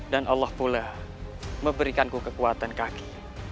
dan allah pula memberikanku kekuatan kaki